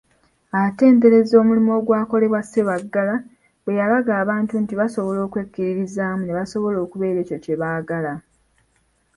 Atenderezza omulimu ogwakolebwa Sebaggala bwe yalaga abantu nti basobola okwekkiririzaamu ne basobola okubeera ekyo kye baagala.